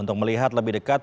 untuk melihat lebih dekat